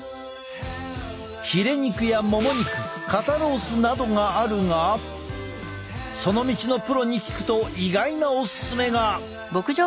ヒレ肉やモモ肉肩ロースなどがあるがその道のプロに聞くと意外なオススメが。